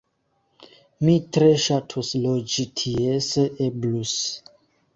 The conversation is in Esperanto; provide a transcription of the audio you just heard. Mi tre ŝatus loĝi tie se eblus